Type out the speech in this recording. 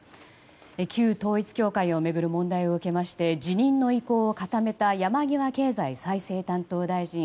旧統一教会を巡る問題を受けまして辞任の意向を固めた山際経済再生担当大臣。